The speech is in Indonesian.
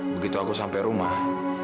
begitu aku sampai rumah